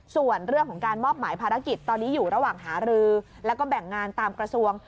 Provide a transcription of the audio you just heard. ส่วนเรื่องของการมอบหมายภารกิจตอนนี้อยู่ระหว่างหารือแล้วก็แบ่งงานตามกระทรวง